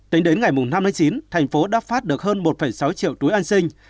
tính đến ngày năm tháng chín thành phố đã phát được hơn một sáu triệu túi an sinh